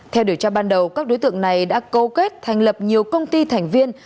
theo điều tra ban đầu các đối tượng này đã câu kết thành lập nhiều công ty thành viên